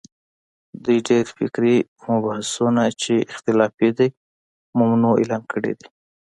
دوی ډېر فکري مبحثونه چې اختلافي دي، ممنوعه اعلان کړي دي